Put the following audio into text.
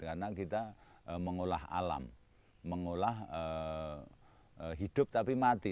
karena kita mengolah alam mengolah hidup tapi mati